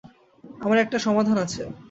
আমার একটা সমাধান আছে।